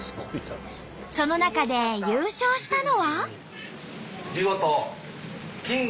その中で優勝したのは。